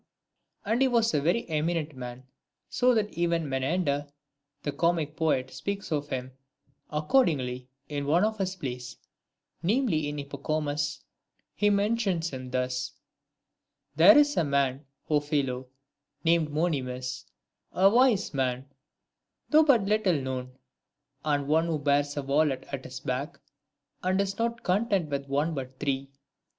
II. And he was a very eminent man, so that even Menander, the comic poet, speaks of him ; accordingly, in one of his plays, namely in the Hippocomus, he mentions him thus :— There is a man, 0 Philo, named Monimus, A wise man, though but little known, and one ONESICRITUS. 249 Who bears a wallet at his back, and is not Content with one but three.